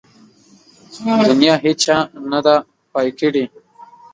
د نيا هيچا نده پاى کړې.